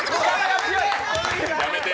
やめて。